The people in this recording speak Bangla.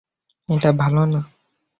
এটা ভালো না।